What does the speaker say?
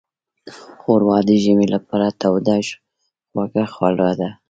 ښوروا د ژمي لپاره توده خوږه خوړو ده.